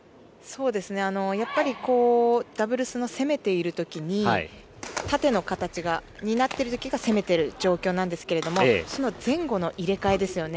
やっぱりダブルスの攻めている時に縦の形になっている時が攻めている状況なんですがその前後の入れ替えですよね。